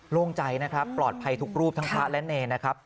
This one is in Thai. โล่งใจปลอดภัยทุกรูปท่านพระและแนว